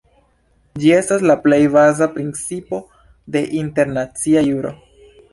Ĝi estas la plej baza principo de internacia juro.